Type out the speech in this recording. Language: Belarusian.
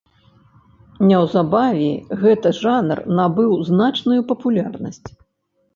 Неўзабаве гэты жанр набыў значную папулярнасць.